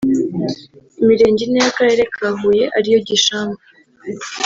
Imirenge ine y’Akarere ka Huye ari yo Gishamvu